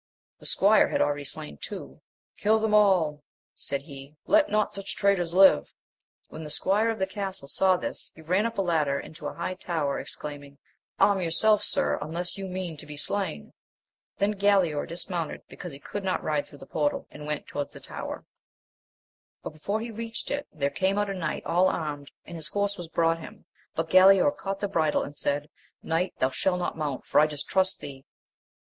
The squire had already slain two; Kill them all ! said he, let not such traitors Hve ! When the squire of the castle saw this, he ran up a ladder into a high tower, exclaiming, Arm yourself, sir, unless you mean to be slain ! Then Galaor dismounted, because he could not ride, through the portal, and went toN^ai^^ >^^ X^o^'s^ \ 1—^ 100 AMADIS OF GAUL. but, before he reached it, there came out a knight all armed, and his horse was brought him, but GaJaor caught the bridle, and said, Knight, thou shalt not mount, for I distrust thee